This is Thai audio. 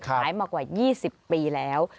ขายมากว่า๒๐ปีแล้ว